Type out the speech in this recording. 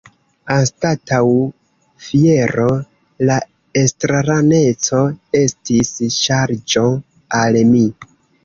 Anstataŭ fiero, la estraraneco estis ŝarĝo al mi.